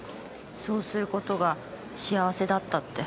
そうする事が幸せだったって。